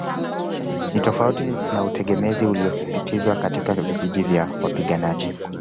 Ni tofauti na utegemezi uliosisitizwa katika vijiji vya wapiganaji